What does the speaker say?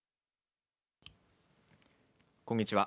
こんにちは。